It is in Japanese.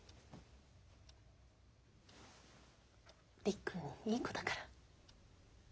りっくんいい子だから。